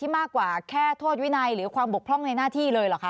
มากกว่าแค่โทษวินัยหรือความบกพร่องในหน้าที่เลยเหรอคะ